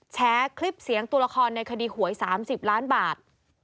แชร์คลิปเสียงตัวละครในคดีหวย๓๐ล้านบาท